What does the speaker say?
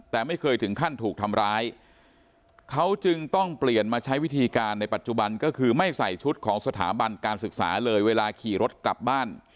แต่ไม่เคยถึงขั้นถูกทำร้ายเขาจึงต้องเปลี่ยนมาใช้วิธีการในปัจจุบันก็คือไม่ใส่ชุดของสถาบันการศึกษาเลยเวลาขี่รถกลับบ้าน